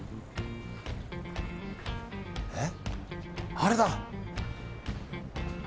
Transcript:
あれだ。